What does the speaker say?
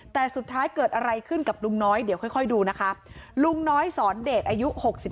แต่สุดท้ายเกิดอะไรขึ้นกับลุงน้อยเดี๋ยวค่อยดูนะคะลุงน้อยสอนเดชอายุ๖๒